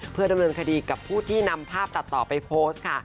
เพื่อดำเนินคดีกับผู้ที่นำภาพตัดต่อไปโพสต์ค่ะ